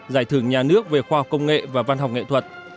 giải thưởng nhà nước về khoa học công nghệ và văn học nghệ thuật